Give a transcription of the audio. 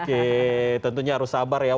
oke tentunya harus sabar ya